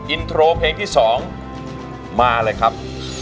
อินโทรเพลงที่๒มาเลยครับ